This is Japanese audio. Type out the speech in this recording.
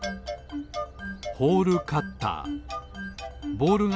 ホールカッター。